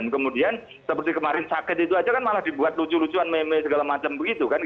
kemudian seperti kemarin sakit itu aja kan malah dibuat lucu lucuan meme segala macam begitu kan